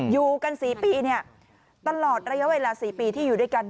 อยู่กัน๔ปีตลอดระยะเวลา๔ปีที่อยู่ด้วยกัน